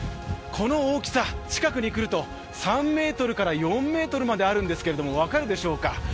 この大きさ、近くに来ると３ｍから４ｍまであるんですけれども分かるでしょうか。